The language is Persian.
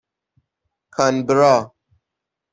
کانبرا